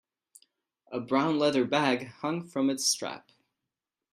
A brown leather bag hung from its strap.